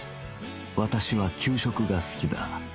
私は給食が好きだ